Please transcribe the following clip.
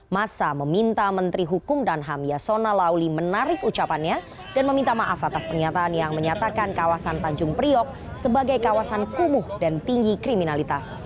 masa meminta menteri hukum dan ham yasona lauli menarik ucapannya dan meminta maaf atas pernyataan yang menyatakan kawasan tanjung priok sebagai kawasan kumuh dan tinggi kriminalitas